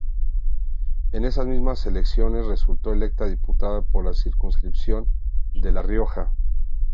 En esas mismas elecciones, resultó electa diputada por la circunscripción de La Rioja.